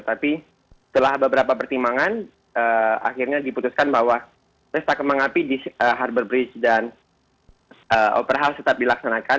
tapi setelah beberapa pertimbangan akhirnya diputuskan bahwa pesta kembang api di harbor bridge dan opera house tetap dilaksanakan